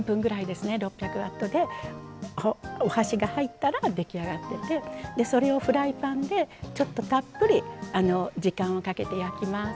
６００Ｗでお箸が入ったら出来上がっててそれをフライパンでちょっとたっぷり時間をかけて焼きます。